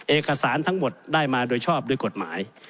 เอกสารทั้งหมดได้มาโดยชอบด้วยกฎหมาย